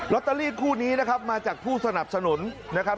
ตเตอรี่คู่นี้นะครับมาจากผู้สนับสนุนนะครับ